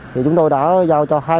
thì chúng tôi đã giao cho